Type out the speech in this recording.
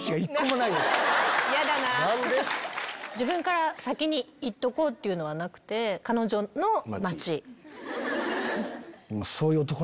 自分から先にいっとこうっていうのはなくて彼女待ち？